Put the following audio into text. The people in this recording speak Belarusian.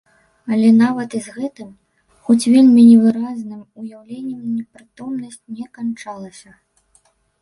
Але нават і з гэтым, хоць вельмі невыразным, уяўленнем непрытомнасць не канчалася.